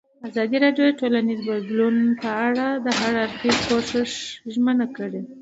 ازادي راډیو د ټولنیز بدلون په اړه د هر اړخیز پوښښ ژمنه کړې.